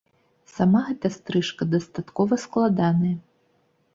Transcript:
Сама гэтая стрыжка дастаткова складаная.